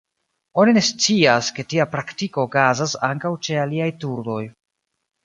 Oni ne scias, ke tia praktiko okazas ankaŭ ĉe aliaj turdoj.